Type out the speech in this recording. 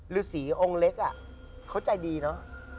ลือศรีองค์เล็กอ่ะเขาใจดีเนาะ